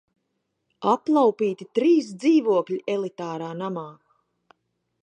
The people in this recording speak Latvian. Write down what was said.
Aplaupīti trīs dzīvokļi elitārā namā!